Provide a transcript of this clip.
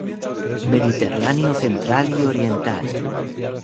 Mediterráneo central y oriental.